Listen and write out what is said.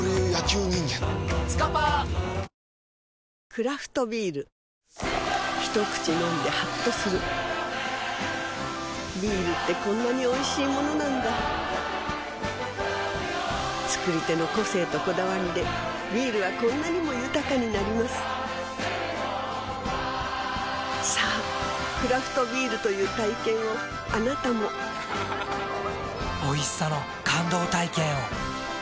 クラフトビール一口飲んでハッとするビールってこんなにおいしいものなんだ造り手の個性とこだわりでビールはこんなにも豊かになりますさぁクラフトビールという体験をあなたもおいしさの感動体験を。